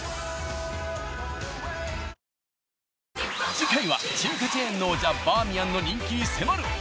次回は中華チェーンの王者「バーミヤン」の人気に迫る。